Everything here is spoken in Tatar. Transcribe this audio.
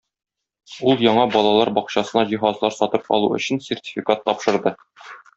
Ул яңа балалар бакчасына җиһазлар сатып алу өчен сертификат тапшырды.